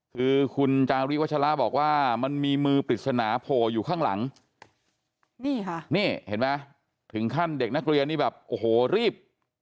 คือคุณจาริวัชราบอกว่ามันมีมือปริศนาโผล่อยู่ข้างหลังนี่ค่ะนี่เห็นไหมถึงขั้นเด็กนักเรียนนี่แบบโอ้โหรีบ